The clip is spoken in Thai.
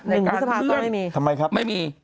หนึ่งภาษาภาพก็ไม่มีทำไมครับไม่มี